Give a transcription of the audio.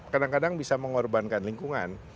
kadang kadang bisa mengorbankan lingkungan